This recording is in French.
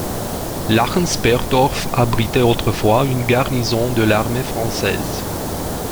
Lachen-Speyerdorf abritait autrefois une garnison de l'Armée française.